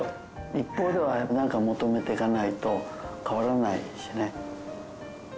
一方ではやっぱなんか求めていかないと変わらないしね。